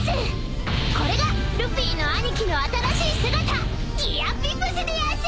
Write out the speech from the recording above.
［これがルフィの兄貴の新しい姿ギア５でやんす！］